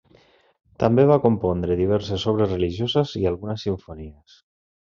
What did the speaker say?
També va compondre diverses obres religioses i algunes simfonies.